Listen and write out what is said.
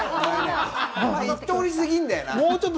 一通りすぎるんだよな。